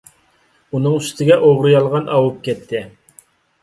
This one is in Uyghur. ئۈنىڭ ئۈستىگە ئوغرى - يالغان ئاۋۇپ كەتتى.